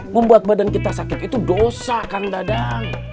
membuat badan kita sakit itu dosa kang dadang